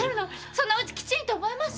「そのうちきちんと覚えます」